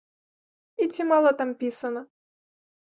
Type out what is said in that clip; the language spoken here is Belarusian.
І ці мала там пісана?!